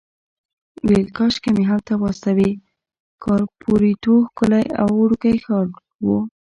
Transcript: ویل کاشکې مې هلته واستوي، کاپوریتو ښکلی او وړوکی ښار و.